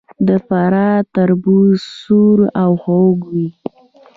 د فراه تربوز سور او خوږ وي.